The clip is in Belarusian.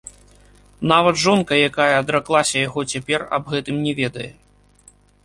Нават жонка, якая адраклася яго цяпер, аб гэтым не ведае.